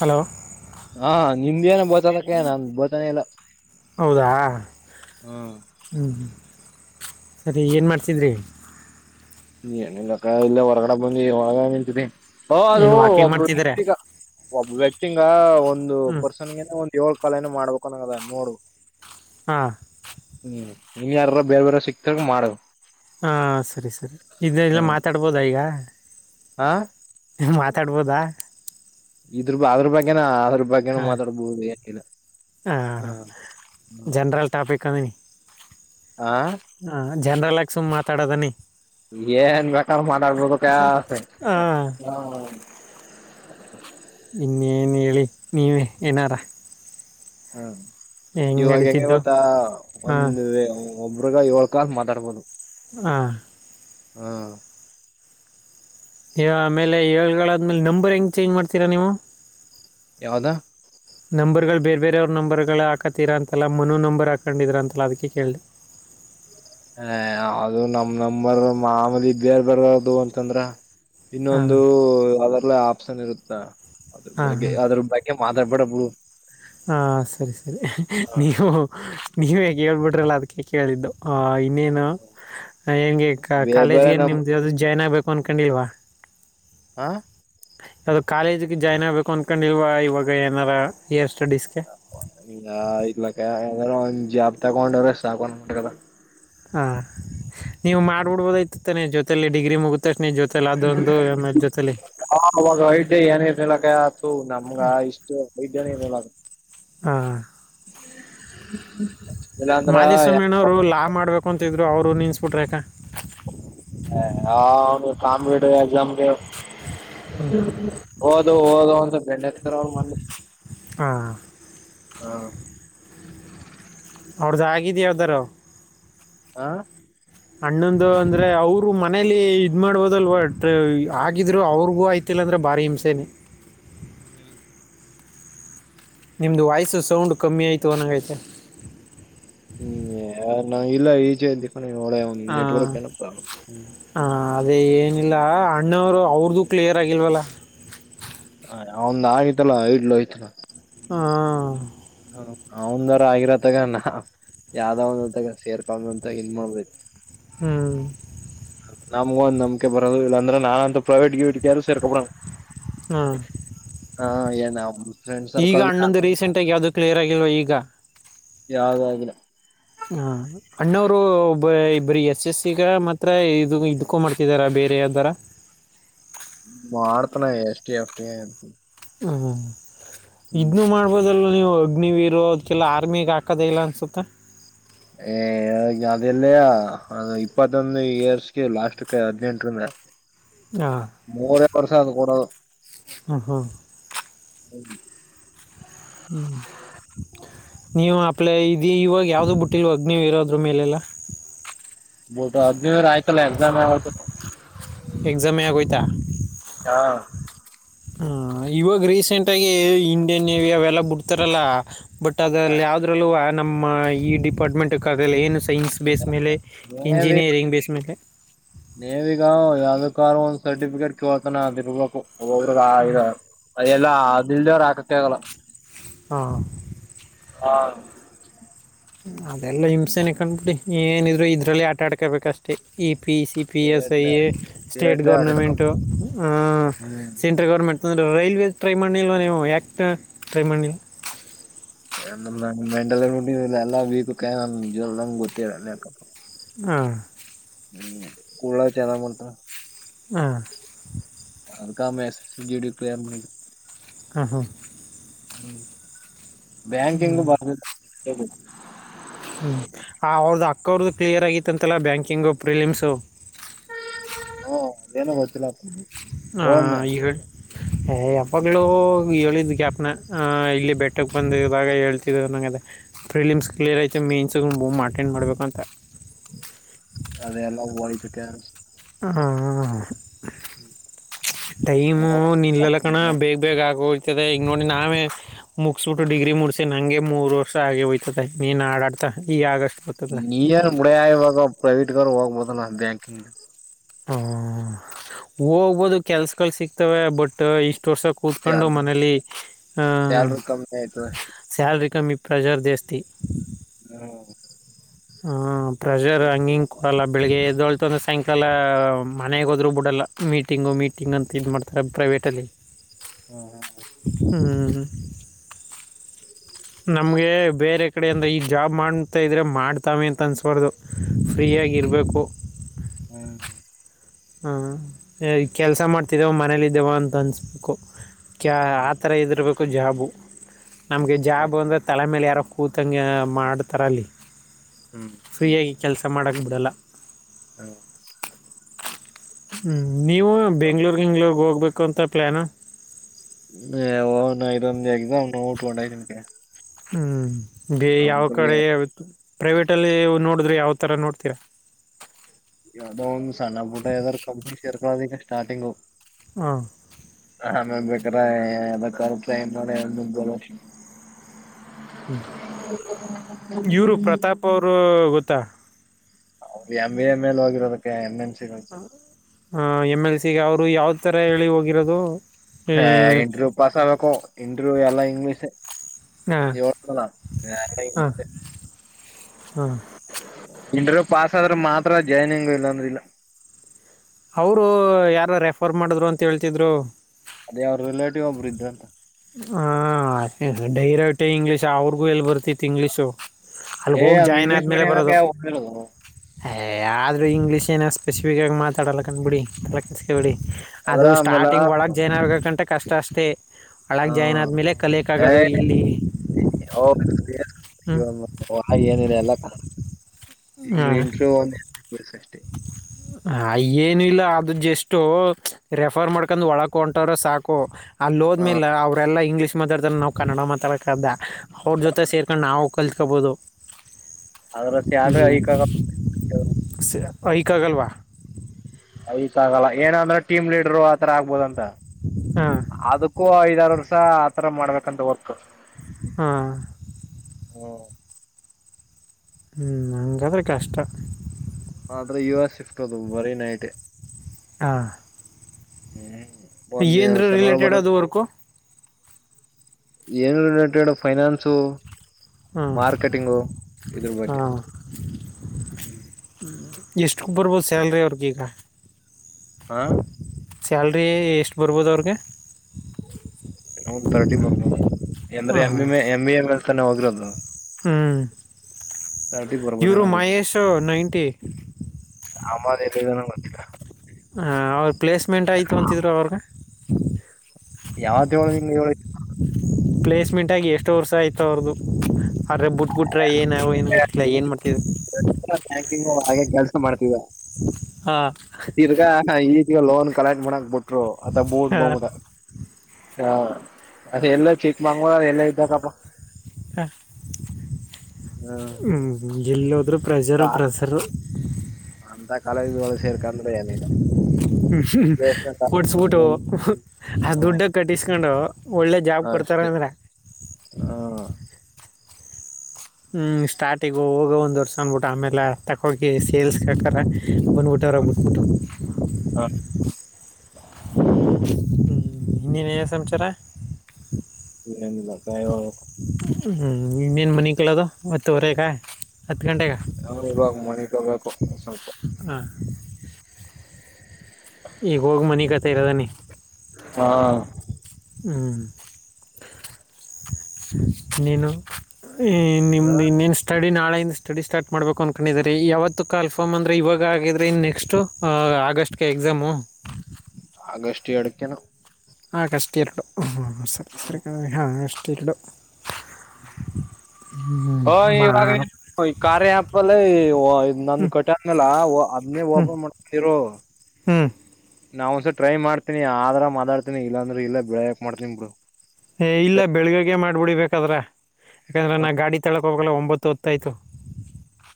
Hello ಹಾ ನಿಮ್ದೇಏನ ಭೋತಾಲಕ್ಕಣ ಬೋತಾನೆ ಎಲ್ಲ ಹೌದಾ ಹ್ಞ ಹ್ಞೂ ಸರಿ ಏನ್ ಮಾಡ್ತಿದ್ರಿ ನೀ ಏನಿಲ್ಲ ಇಲ್ಲ ಹೊರಗಡೆ ಬಂದು ಒಳಗ ನಿಂತರಿ ಅ ಅದು ಏನು ವಾಕಿಂಗ್ ಒಬ್ಬ ಮಾಡ್ತಿದ್ದೀರಾ ವ್ಯತಿ ಒಬ್ಬ ವ್ಯಕ್ತಿಂಗ ಒಂದು ಹ್ಞೂ ಪರ್ಸನ್ಗ ಒಂದ್ ಏಳ್ ಕ್ಕಾಲಏನ ಮಾಡ್ಬೇಕಂದದ ನೋಡು ಹಾಂ ಹ್ಮ್ ನೀನ್ ಯಾರ ಬೇರೆ ಬೇರೆ ಸಿಕ್ತ ಮಾಡ ಹಾಂ ಸರಿ ಸರಿ ಇದನ್ನಲ್ಲ ಮಾತಾಡ್ಬೋದ ಈಗ ಹಾ ಮಾತಾಡ್ಬೋದಾ ಇದ್ರ ಅದ್ರ ಬಗ್ಗೆನ ಅದ್ರ ಬಗ್ಗೆನ ಹಾಂ ಮಾತಾಡ್ಬಹುದು ಯಿಲ್ಲ ಹಾಂ ಜನರಲ್ ಟಾಪಿಕ್ ಅಂದಿ ಆ ಜನರಲ್ಕ ಸುಮ್ನೆ ಮಾತಾಡೋದನಿ ಏನ್ ಬೇಕ ಮಾಡತಬದು ಕ ಹಾಂ ಹ [inaudible] ಇನ್ನೇನು ಹೇಳಿ ನೀವೇ ಏನಾರ ಹ್ಮ ಹೆಂಗೆ ಇವಾಗ ಹೆಂಗಗೆ ನಡೀತಿದ್ದು ಗತ್ತಾ ಹಾಂ ಒಂದು ಒಬ್ರಗ ಏಳ್ ಕಾಲ್ ಮಾತಾಡ್ಬೋದು ಹ ಹಾ ಆಮೇಲೆ ಏಳದ್ಮೇಲೆ ನಂಬರ್ ಹೆಂಗ್ ಚೇಂಜ್ ಮಾಡ್ತೀರಾ ನೀವು ಯಾವದಾ ನಂಬರ್ಗಳು ಬೇರೆ ಬೇರೆಯವ್ರ ನಂಬರ್ಗಳು ಹಾಕತ್ತೀರಾ ಅಂತಲ್ಲ ಮನು ನಂಬರ್ ಹಾಕೊಂಡಿದ್ರಾ ಅಂತಲ್ಲ ಅದಕ್ಕೆ ಕೇಳಿ [unintelligible] ಹ ಅದು ನಮ್ ನರ್ ಮಾಮಲಿ ಬೇರ್ ಬರ್ದು ಅಂತಂದ್ರ ಹಾಂ ಇನ್ನೊಂದು ಅದ್ರಲ್ಲ ಆಪ್ಷನ್ ಇರುತ್ತಾ ಅದ್ರ ಹಾಂ ಬಗ್ಗೆ ಹಾಂ ಅದ್ರ ಬಗ್ಗೆ ಮಾ ಡಬ್ಬಡಬ್ಬು ಹಾ ಸರಿ ಸರಿ ನೀವು ನೀವ ಹೇಗ್ ಹೇಳ್ಬಿಟ್ರಲ್ಲ ಅದಕ್ಕೆ ಕೇಳಿದ್ದು ನೀನು ಹೆಂಗೆ ಬೇರೆ ಕಾಲೇಜ್ ಬೇರೆ ಏನ್ ನಮ್ ನಿಮ್ದ ಜಾಯ್ನ್ ಆಗ್ಬೇಕು ಅನ್ಕೊಂಡಿಲ್ವಾ ಹಾ ಅಾವದು ಕಾಲೇಜಗೆ ಜಾಯ್ನ್ ಆಗ್ಬೇಕು ಅನ್ಕೊಂಡ ಇಲ್ವಾ ಇವಾಗ ಏನಾರ ಎಷ್ಟ ಇಲಕಾರ ಒಂದ ಜಾಬ್ ತಗೊಂಡ್ರೆ ಸಾಕೊಂಡ್ಟದ ಹಾ ನೀವು ಮಾಡ್ಬಿಡ್ಬೋದ ಇತಿ ತಾನೆ ಜೊತಲಿ ಡಿಗ್ರಿ ಮುಗ ಹ ಅವಾಗ ಯತ ಏನ ಆಥ ನಮಗೆ ಆ ಇಷ್ಟ ಮ ಮಾದ್ವಾಮ್ಯಣ್ಣ ಅವ್ರು ಲಾ ಮಾಡ್ಬೇಕು ಅಂತಿದ್ರು ಅವ್ರು ನಿನ್ಸ್ಬಿಟ್ರ ಅಕಾ ಕಾಂಪಿಟಿವ್ ಎಕ್ಸಾಮ್ಗೆ ಹ್ಞೂ ಓದು ಓದು ಅಂತ ಬೆಂಡ [unintelligible] ಹಾ ಹಾ ಅವ್ರದ್ದು ಆಗಿದ ಯಾವ್ದಾರ ಹಾ ಅಣ್ಣೊಂದು ಅಂದ್ರೆ ಅವರು ಮನೇಲಿ ಇದ್ ಮಾಡ್ಬೋದಲ್ವಾ ಆಗಿದ್ರು ಅವ್ರಿಗೂ ಆಯ್ತ ಇಲ್ಲಾಂದ್ರೆ ಬಾರಿ ಹಿಂಸೆರಿ. ಹ್ಮ್ ನಿಮ್ದು ವಾಯ್ಸ ಸೌಂಡ್ ಕಮ್ಮಿ ಆಯ್ತು ಅನ್ನಗೈತೆ. ನಾ ಇಲ್ಲ ಈಚೆ [unintelligible] ಆ, ನೆಟ್ವರ್ಕ್ ಏನ ಪ್ರಬ್ಲ್ ಆ, ಅದೇ ಏನಿಲ್ಲ ಅಣ್ಣಾವ್ರು ಅವ್ರದುು ಕ್ಲಿಯರ್ ಆಗಿಲ್ವಲ್ಲ. ಅವನ್ದ್ ಆಗಿತಲ್ಲ [unintelligible] ಹೊಯ್ತ್. ಹಾ ಅವ್ನ್ದರ ಆಗಿರ [unintelligible] ಯಾವ್ದಾ ಒಂತಾಗ ಸೇರ್ಕೊಂಡ್ಒಂತಾಗ ಮಾ [unintelligible] ಹ್ಮ್ ನಮ್ಗ ಒಂದ ನಂಬ್ಕೆ ಬರೋದು ಇಲ್ಲಾಂದ್ರೆ ನಾಂತೂ ಪ್ರೈವೇಟ್ ಗಿವಿಇಟ್ ಯಾರು ಸೇರ್ಕ [unintelligible] ಹಾ ಹಾ ಏನ ಈಗ ಅಣ್ಣೊಂದು ರೀಸೆಂಟ್ ಆಗಿ ಯಾವ್ದು ಕ್ಲಿಯರ್ ಆಗಿಲ್ವ ಈಗ. ಯಾವ್ದು ಆಗಿಲ್ಲಾ. ಹಾ ಅಣ್ಣಾವ್ರು ಬೈ ಬರೀ ಎಸ್ ಎಸ್ ಸಿಗ ಮಾತ್ರ ಇದು ಇದ್ಕು ಮಾಡ್ತಿದಾರ ಬೇರೆ ಯಾವ್ದಾರ. ಮಾಡ್ತನೆ ಎಷ್ಟ್ [unintelligible] ಹು ಹು ಇಬ್ರು ಮಾಡ್ಬೋದಲ್ವ ನೀವು. ನೀವ್ ಇರೋದ್ಕೆಲ್ಲಾ ಆರ್ಮಿಗ್ ಹಾಕೋದು ಇಲ್ಲ ಅನ್ಸುತ್ತ. ಏ ಅದೆಲ್ಲಯ ಇಪ್ಪತ್ತೊಂದು ಇಯರ್ಸ್ಗೆ ಲಾಸ್ಟ್ ಕ ಹದ್ನೆಂಟ್ರಿಂದ. ಹಾಂ ಮೂರೆ ವರ್ಷ ಅದು ಕೊಡದು. ಹ ಹಾ [unintelligible] ಹ್ಮ ನೀವ [unintelligible] ಇವಾಗ ಯಾವ್ದು ಬಿಟ್ಟಿಲ್ವ ನೀಡ ಇರೋದ್ರು ಮೇಲೆಲ್ಲ [unintelligible] ಎಕ್ಸಾಮ್ ಯಾವತ್ತು. ತ ಹಾ ಹ ಇವಾಗ್ ರೀಸೆಂಟ್ಗಿ ಇಂಡಿಯನ್ ನೇವಿ ಅವೆಲ್ಲ ಬುಡ್ತಾರಲ್ಲ. ಬಟ್ ಅದಲ್ಲಿ ಯಾವದ್ರಲ್ಲೂವ ನಮ್ಮ ಈ ಡಿಪಾರ್ಟ್ಮೆಂಟ್ ಅದೆಲ್ಲ ಏನು ಸೈನ್ಸ್ ಬೇಸ್ ಮೇಲೆ ಮೇ ಬಿ ಇಂಜಿನಿಯರಿಂಗ್ ಬೇಸ್ ಮೇಲೆ. ಯಾದುಕಾರು ಒಂದ್ ಸರ್ಟಿಫಿಕೇಟ್ ಕೇಳ್ತಾನ ಅದ್ ಇರ್ಬೇಕು [unintelligible] [unintelligible] ಹಾಕಕ್ಕೆ ಆಗಲ್ಲ. ಹಾ ಹಾ ಅದೆಲ್ಲಾ ಹಿಂಸೆನೆ ಕಂಡ್ಬಿಡಿ ಏನಿದ್ರು ಇದ್ರಲ್ಲಿ ಆಟ ಆಡ್ಕೊಬೇಕ್ ಅಷ್ಟೇ ಈ ಪಿ ಸಿ ಪಿ ಎಸ್ಐ ಏಟ್ಲೆ ಸ್ಟೇಟ್ ಏಟ್ಲೆ ಆಟಾಡ್ಕಂ ಗೌರ್ನಮೆಂಟು ಹಾ ಹ್ಮ್ ಸೆಂಟ್ರಲ್ ಗೌರ್ಮೆಂಟ್ - - ರೈಲ್ವೆ ಮಾಡ್ಲಿಲ್ವ ನೀವು ಯಕ್ ಟ್ರೈ ಮಾಡ್ಲಿಲ್ಲಾ. ಮೆಂಟಲ್ [unintelligible] ವೀಕು ಕ [unintelligible] ಗೊತ್ತಿಲ್ಲ ಯಾಕೊ. ಹ ಹ್ಮ್ ಕುಳ್ಳ [unintelligible] ಹ ಅನ್ಕ ಮೆಸ್ ಜಿ ಡಿ ಪಿ [unintelligible] ಹ ಹಾ ಹ್ಮ್ ಬ್ಯಾಂಕಿಂಗ್ [unintelligible] ಹ್ಞೂ ಅವ್ರದ್ ಅಕ್ಕಅವ್ರದ್ದು ಕ್ಲಿಯರ್ ಆಗಿತ್ತಂತಲ್ಲ ಬ್ಯಾಂಕಿಂಗು ಪ್ರಿಲಿಮ್ಸು. ಹ್ಮ ಏನು ಗೊ ಹ ಇಗ ಯಾವಾಗ್ಲೂ ಹೇಳಿದ್ ಕ್ಯಾಪ್ನ ಇಲ್ಲಿ ಬೆಟ್ಟಕ್ ಬಂದ ಇವಾಗ ಹೇಳ್ತಿದ್ದನಂಗ್ ಅದೆ. ಫಿಲಿಮ್ಸ್ ಕ್ಲಿಯರ್ ಐತೆ ಮೇನ್ಸ್ ಮು ಅಟೆಂಡ್ ಮಾಡ್ಬೇಕು ಅಂತ. ಅದ ಎಲ್ಲ ವತು ಕೆ ಹಾ.. ಟೈಮು ನಿಲ್ಲಲ್ಲ ಕಣ ಬೇಗ ಬೇಗ ಆಗೋ ಈಗ ನೋಡಿ ನಾವೇ ಮುಗಸ್ಬಟ್ಟು ಡಿಗ್ರಿ ಮುಡಿಸಿ ನಂಗೆ ಮೂರು ವರ್ಷ ಆಗಿ ಹಯತದೆ ನೀನ್ ಆಡಾಡ್ತ ಈ ಆಗಸ್ ನೀನ ಮುಡಿಯ ಇವಾಗ ಪ್ರೈವೇಟ್ಗಾರ ಹೋಗ್ಬೋದ ನಾ ಬ್ಯಾಂಕಿಂಗ್ ಹ ಹೋಗ್ಬೋದು ಕೆಲ್ಸಗಳುಗಳು ಸಿಗ್ತವೆ ಬಟ್ ಇ ವರ್ಷ ಕೂತ್ಕೊಂಡು ಸ್ಯಾಲ್ರಿ ಮನಲಿ ಆ ಸ್ಯಾಲ್ರಿ ಕಮ್ಮಿ ಆಯ್ತು ಅಷ್ಟೇ ಸ್ಯಲ್ರಿ ಕಮ್ಮಿ ಪ್ರೆಜರ್ ದೇಸ್ತಿ ಹ್ಮ ಹ ಪ್ರೆಷರ್ ಹಂಗಿಂಗ ಕೊಡಲ್ಲ ಬೆಳಿಗ್ಗೆ ಎದಳ್ ಮತ್ತೊಂದು ಸಾಯಂಕಾಲ ಮನೆಗೆ ಹೋದರೂ ಬಿಡಲ್ಲ ಮೀಟಿಂಗು ಮೀಟಿಂಗ್ ಅಂತ ಇದು ಮಾಡ್ಡ್ತಾರೆ ಪ್ರೈವೇಟಲ್ಲಿ ಹಾ ಬೇರೆ ಕಡೆ ಅಂದ್ರೆ ಈಗ ಜಾಬ್ ಮಾಡ್ತಾ ಇದ್ರೆ ಮಾಡ್ತಾವೆ ಅಂತ ಅನ್ಸ್ಬಾರ್ದು ಫ್ರೀಯಾಗಿರಬೇಕು ಹಾಂ ಕೆಲಸ ಮಾಡ್ತಿದ್ದೇವ ಮನೇಲಿದ್ದೇವ ಅಂತ ಅನ್ನಿಸ್ಬೇಕು ಕ್ಯಾ ಆ ಥರ ಇದ್ದಿರಬೇಕು ಜಾಬು ನಮಗೆ ಜಾಬು ಅಂದರೆ ತಲೆಮೇಲೆ ರ ಕೂತಂಗೆ ಮಾಡ್ತಾರೆ ಅಲ್ಲಿ ಹ್ಮ್ ಫ್ರೀಯಾಗಿ ಕೆಲಸ ಮಾಡಕ್ಕೆ ಬಿಡಲ್ಲ ಹ್ಮ ಹ್ಞ ನೀವು ಬೆಂಗಳೂರು ಇಂಗ್ಳೂರ್ಗೆ ಹೋಗ್ಬೇಕು ಅಂತ ಪ್ಲ್ಲಾನು [inaudible] [unintelligible] ಹ್ಮ್ ಯಾವ ಕಡೆ ಪ್ರೈವೇಟ ಅಲ್ಲಿ ನೋಡಿದ್ರೆ ಯಾವ ತರ ನೋಡ್ತೀರಾ ಯಾವದೋ ಒಂದಂದು ಸಣ್ಣ ಪುಟ್ಟ ಯಾವದಾದ್ ಕಂಪ್ನಿ ಶೇರ್ಕದ ಈಗ ಸ್ಟಾರ್ಟಿಂಗು ಹಾ ಆಮೇ ಬೇಕ್ರ [unintelligible] ಹ್ಮ್ ಇವರು ಪ್ರತಾಪ್ ಅವರು ಗೊತ್ತಾ ಅವಿಗೆ ಎಮ ಎ ಮೇಲೆ ಹೋಗಿರೋದಕ್ಕೆ ಎನ್ನೆನ್ ಹ ಎಮ್ ಎಲ್ ಸಿಗೆ ಅವರು ಯಾವ ತರ ಹೇಳಿ ಹೋಗಿರೋದು ಹ ಹಾಂ ಇಂಟರ್ವ್ಯೂ ಪಾಸ್ ಆಗ್ಬೇಕು ಇಂಟರ್ವ್ಯೂ ಎಲ್ಲ ಇಂಗ್ಲೀಷ್ ಹಾಂ [unintelligible] ಹಾಂ ಇಂಟರ್ವ್ಯೂ ಪಾಸ್ ಆದ್ರೆ ಮಾತ್ರ ಜಾಯ್ನಿಂಗ್ ಇಲ್ಲ ಅಂದ್ರ ಇಲ್ಲ ಅವರು ಯಾರ ರೆಫರ್ ಮಾಡಿದ್ರು ಅಂತ ಹೇಳ್ತಿದ್ರು ಅದೇ ಅವ್ರ ರಿಲೇಟಿವ್ ಒಬ್ಬರು ಇದ್ದ ಅಂತ ಹ ಅದ ಡೈರೆಕ್ಟ ಇಂಗ್ಲೀಷ್ ಅವ್ರಿಗೂ ಎಲ್ಲಿ ಬರ್ತಿತ್ತು ಇಂಗ್ಲೀಷು ಅಲ್ಲಿಗೆ ಏ ಹೋಗಿ ನಮ್ ಜಾಯ್ನ್ ಇಂಗ್ಲೀಷ್ ಆದ್ಮೇಲೆ ಮೀಡಿಯಮ್ಕ ಬರೋದು ಹೋಗಿರೋದು ಆದ್ರರು ಇಂಗ್ಲೀಷ್ ಏನೋ ಸ್ಪೆಸಿಫಿಕ್ಗಿ ಮಾತಾಡಲ್ಲ ಕಂದ್ಬಿಡಿ ಕಲ ಕಿಸಸ್ಕಳ್ಬಿಡಿ ಅದು ಅದ್ರ ಆಮೇಲೆ ಸ್ಟಾರ್ಟಿಂಗ್ ಒಳಗೆ ಜೈನರ್ಗಕ್ಕಂಟೆ ಕಷ್ಟ ಅಷ್ಟೇ ಹಳಗೆ ಹಾ ಜಾಯ್ನ್ ಆದ್ಮೇಲೆ ಕಲಿಯಕ್ಕಾಗೋದು ಇಲ್ಲಿ ಹ್ಞೂ ಹ ಏನಿದೆ [unintelligible] ಈ ಇಂಟ್ರ ಒಂದ್ ಎರ ಅ ಏನು ಇಲ್ಲ ಆದ ಜಷ್ಟ ರೆಫರ್ ಮಾಡ್ಕೊಂಡ್ ಒಳಕ ಹೊಂಟ್ರ ಸಾಕು ಅಲ್ಲಿ ಹ ಹೋದ್ಮೇಲೆ ಅವರೆಲ್ಲ ಇಂಗ್ಲೀಷ್ ಮಾತಾಡ್ತಾರೆ ನಾವು ಕನ್ನಡ ಮಾತಾಡಕ್ದ ಅವ್ರ ಜೊತೆ ಸೇರ್ಕೊಂಡು ನಾವು ಕಲ್ತ್ಕೊಬೋದು ಅದ್ರ ಇ ಸ್ಯಾಲ್ರಿ ಐಕ್ ಆಗ ಯಕಾಗಲ್ವಾ ಇದಕ್ ಆಗಲ್ಲ ಏನಂದ್ರೆ ಟೀಮ್ ಲೀಡರು ಆತರ ಆಗ್ಬೋದ ಅಂತ ಹಾಂ ಅದಕ್ಕೂ ಐದಾರ ವರ್ಷ ಆ ತರ ಮಾಡ್ಬೇಕಂತ ವರ್ಕ್ ಹಾ ಹ್ಮ್ ಹ್ಮ್ ಹಂಗಾದ್ರೆ ಕಷ್ಟ ಆದ್ರೆ ಯುವ ಸಿಫ ಹದು ಬರೀ ನೈಟ್ ಆ ಏ ಒಂದಿನ ಸನವಾರ ಬರ ರಿಲೇಟೆಡ್ ಅದು ವರ್ಕು ಏನು ರಿಲೇಟೆಡ್ ಫೈನಾನ್ಸು. ಹಾಂ ಮಾರ್ಕೆಟಿಂಗು ಇದ್ರ ಬಗ್ಗೆ. ಹ್ಮ್ ಎಷ್ಟುಕ ಬರ್ಬೋದು ಸ್ಯಾಲ್ರಿ ಅವ್ರದ ಈಗ. ಹಾ ಸ್ಯಾಲ್ರಿ ಎಷ್ಟ ಬರ್ಬೋದು ಅವ್ರಗೆ. ತರ್ಟಿ ಬರ್ಬೋದೆನೊ ಅಂದ್ರೆ ಎ [unintelligible] ಎಮ್ ಬೀ ಎ ಮಾಡತಾನೇ ಹೋಗಿರೋದು. ಹ್ಮ್ ತರ್ಟಿ ಇವ್ರು ಬರ್ಬೋದೇನೋ ಗೊತ್ತಿಲ್ಲ ಮಹೇಶು ನೈಂಟಿ. ಆಮ ಎಲ್ಲಿಗನ ಗೊತ್ತಿಲ್ಲ. ಹಾಂ ಅವ್ರ ಪ್ಲೇಸ್ಮೆಂಟ್ ಆಯ್ತು ಅಂತಿದ್ರು ಅವ್ರಗ. ಯಾವ್ದ ಹೇಳಿನ್ ಹೇಳಿಗ್. ಪ್ಲೇಸ್ಮೆಂಟಾಗಿ ಎಸ್ಟೊ ವರ್ಷ ಆಯ್ತ ಅವ್ರದು. ಆದ್ರ ಬ ಬುಟ್ಬ ಬುಟ್ರೆ ಏನು ಏನು ಗೊತ್ತಿಲ್ಲ ಏನ್ ಮಾಡ್ತಿದರು. ಪ್ಯಾಕಿಂಗ ಹಾಗೆ ಕೆಲ್ಸ ಮಾಡ್ತಿದ ಹಾಂ ತಿರ್ಗಾ ಈ ಈಗ ಲೋನ್ ಕಲೆಕ್ಟ್ ಮಾಡಕ್ ಬಿಟ್ರು ಅ [unintelligible] ಬಟ್ ಬ ಹಾ ಅದ ಎಲ್ಲ ಚಿಕ್ಕಮಂಗೂಳರಲ್ಲ ಎಲ್ಲ ಇದ್ದಕ್ಕಪ್ಪ. ಹ ಹ್ಮ್ ಹ್ಮ ಹ್ಮ್ ಎಲ್ಲ ಹೋದ್ರು ಪ್ರೆಜರು ಪ್ರೆಸರು. ಕಾಲೇಜೋಳಗ ಸೇರ್ಕಂದ್ರೆ ಏನಿಲ್ಲ. ಬೇಸ್ಮೆಂಟ್ ಕೊಡ್ಸ್ಬಿಟ್ಟು ಆ ಹ್ಮ ದುಡ್ಡೆ ಕಟ್ಟಿಸ್ಕೊಂಡು. ಒಳ್ಳೆ ಜಾಬ್ ಕೊಡ್ತಾರ ಅಷ್ಟೇ ಅಂದ್ರೆ. ಹ್ಮ ಹ್ಮ್ ಸ್ಟಾರ್ಟಿಗ ಹೋಗ ಒಂದ್ ವರ್ಷ ಅನ್ಬಿಟ್ಟು ಆಮೇಲ ಹತ್ತಕೋಗಿ ಸೇಲ್ಸ್ಕಕರ. ಅಮಾರ ಊಟರ ಬಿಟ್ಟ ಬಿಟ್ಟು [inaudible] ಹ್ಮ್ಮ್ ಹಿನ್ನೆನೆನ ಸಮಚಾರ. ಏನೀಲಪ್ಪ ಹೇಳ್ಬೇಕು. ಹ್ಮ್ ಇನ್ನೇನ್ ಮನಿಕಳದು ಮತ್ತ ಹೊರಗ. ಅವ್ರ ಇವಾಗ ಮಣಿಕಬೇಕು ಸ್ವಲ್ಪ. ಹಾಂ ಈಗ ಹೋಗಿ ಮನಿಕತೀರೋದನಿ. ಹಾ ಹ್ಮ್ ನೀನು ಈ ನಿಮ್ದ ಇನ್ನನ್ ಸ್ಟಡಿ ನಾಳೆಯಿಂದ ಸ್ಟಡಿ ಸ್ಟಾರ್ಟ್ ಮಾಡ್ಬೇಕು ಅನ್ಕೊಂಡಿದ್ದಿರಿ ಯಾವತ್ತ ಕಾಲ್ಫಾರ್ಮ್ ಅಂದ್ರೆ ಇವಾಗ ಆಗಿದ್ರಿ ನೆಕ್ಸ್ಟ್ ಆ ಆಗಸ್ಟ್. ಎಕ್ಸಾಮು. ಅಗಸ್ಟ್ ಎರಡಕ್ಕೆನೊ. ಆಗಸ್ಟ್ ಎರಡು ಹ್ಮ್ಮ್ ಸರಿ ಸರಿ [unintelligible] ಅಗಸ್ಟ್ ಎರಡು. ಹ್ಮ್ಮ ಅಯ್ ಇವಾಗ ಕಾರ್ಯ ಆ್ಯಪಲ್ಲಿ [unintelligible] ನಂದ ಕಟದ್ಮ್ಯಾಲ ಓ ಅದ್ನೇ ಓಪನ್. [unintelligible] ಮಡ್ತಿರೋ ಹ್ಮ್ಮ್ ನಾ ಒಂದ್ಸರಿ ಟ್ರೈ ಮಾಡ್ತೀನಿ ಆದರಾ ಮಾತಾಡ್ತಿನಿ ಇಲ್ಲಾಂದ್ರೆ ಇಲ್ಲ [unintelligible] ಬೆಳೆಾಕ್ ಮಾಡ್ತೀನಿ ಬಿಡು ಏ ಇಲ್ಲ ಬೆಳಗಾಗೆ ಮಾಡ್ಬಿಡಿಬೇಕಾದ್ರೆ ಯಾಕನಾ ಗಾಡಿ ತಳಕ್ ಹೋಬೇಕಲ ಬತ್ತೊತ್ತಾಯ್ತು.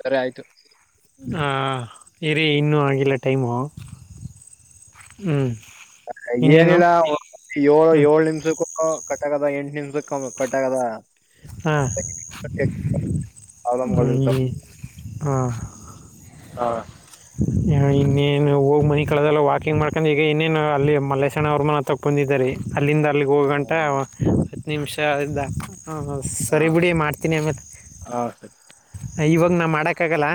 ಸರಿ ಆಯ್ತು ಹಾಂ ಇರಿ ಇನ್ನೂ ಆಗಿಲ್ಲ ಟೈಮು ಹ್ಮ್. ಏನಿಲ್ಲ ಏಳ್ ಹ್ಞೂ ಏಳು ನಿಮ್ಷಕ್ಕೂ ಕಟ್ಟಾಗದ ಎಂಟ್ ನಿಮಿಷಕೊಮ್ಮ್ ಕಟ್ಟಾಗದ. ಹಾ ಪ್ರಾಬ್ಲಮ್ಗಳು ಹ್ಮ ಇರ್ತಾವ ಹ ಹಾ [inaudible] ಇನ್ನೇನು ಹೋಗಿ ಮನಿಕಳದ್ ವಾಕಿಂಗ್ ಮಾಡ್ಕೊಂಡು ಈಗ ಇನ್ನೇನು ಅಲ್ಲಿ ಮಲ್ಲೇಶಣ್ಣ ಅವ್ರ ಮನೆ ತವ ಬಂದಿದೆ ರಿ ಅಲ್ಲಿಂದ ಅಲ್ಲಿಗೆ ಹೋಗಂಟ ಹತ್ತು ನಿಮಿಷ ಆಯಿದ್ದ ಹಾಂ ಹಹಾಂ ಹಾ ಸರಿ ಬುಡಿ ಮಾಡ್ತೀನಿ ಆಮೇಲೆ ಹಾ ಸರಿ ಇವಾಗ ನಾ ಮಾಡೋಕ್ಕಾಗಲ್ಲ